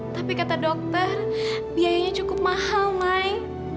tapi kata dokter biayanya cukup mahal mai